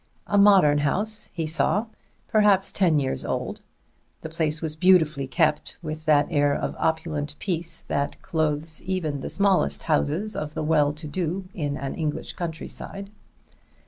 A modern house, he saw; perhaps ten years old. The place was beautifully kept, with that air of opulent peace that clothes even the smallest houses of the well to do in an English country side.